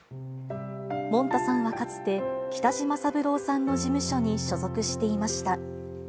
もんたさんはかつて、北島三郎さんの事務所に所属していました。